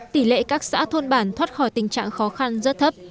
tỷ lệ các xã thôn bản thoát khỏi tình trạng khó khăn rất thấp